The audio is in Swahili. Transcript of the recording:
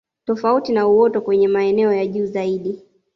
Tofauti na uoto kwenye maeneo ya juu zaidi